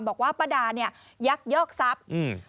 บอกว่าป้าดาเนี่ยยักยอกทรัพย์อืม